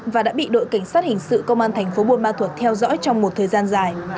và đã bị đội cảnh sát hình sự công an thành phố buôn ma thuật theo dõi trong một thời gian dài